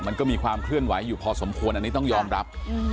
มันก็มีความเคลื่อนไหวอยู่พอสมควรอันนี้ต้องยอมรับ